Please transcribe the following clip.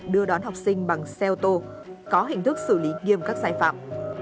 đưa đón học sinh bằng xe ô tô có hình thức xử lý nghiêm các sai phạm